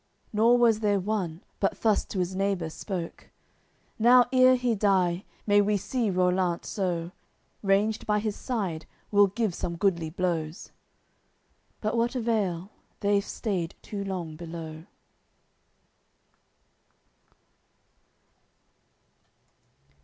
Nor was there one but thus to 's neighbour spoke: "Now, ere he die, may we see Rollant, so Ranged by his side we'll give some goodly blows." But what avail? They've stayed too long below.